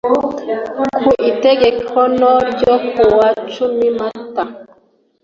ku itegeko no ryo kuwa cumi mata